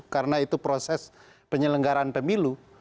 karena itu proses penyelenggaran pemilu